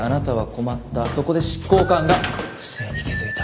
そこで執行官が不正に気づいた。